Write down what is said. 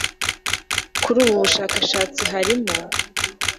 kuri ubu bushakashatsi harimo